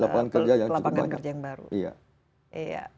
pelabangan kerja yang cukup banyak